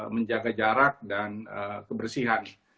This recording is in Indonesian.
menjaga jarak dan kebersihan